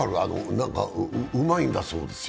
何か、うまいだそうですよ。